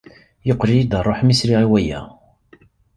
Yeqqel-iyi-d rruḥ mi sliɣ i waya.